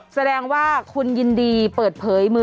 แสดงว่าคุณยินดีเปิดเผยมือ